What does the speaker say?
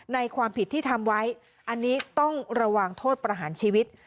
ความผิดที่ทำไว้อันนี้ต้องระวังโทษประหารชีวิต